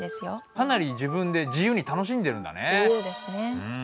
かなり自分で自由に楽しんでるんだね。